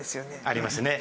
ありますね。